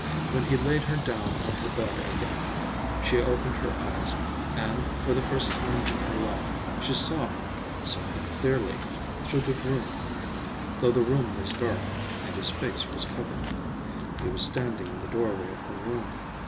When he laid her down on her bed again, she opened her eyes, and, for the first time in her life, she saw him, saw him clearly, though the room was dark, and his face was covered. He was standing in the doorway of her room.